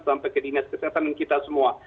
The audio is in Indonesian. sampai ke dinas kesehatan dan kita semua